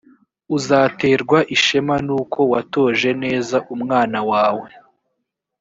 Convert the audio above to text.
uzaterwa ishema n’uko watoje neza umwana wawe